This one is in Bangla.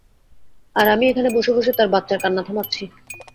আর আমি এখানে বসে বসে তার বাচ্চার কান্না থামাচ্ছি!